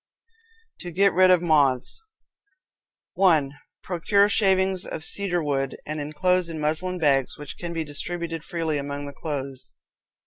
To Get Rid of Moths 1. Procure shavings of cedar wood, and inclose in muslin bags, which can be distributed freely among the clothes.